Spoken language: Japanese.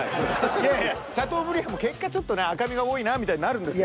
いやいやシャトーブリアンも結果ちょっとね赤身が多いなみたいになるんですよ。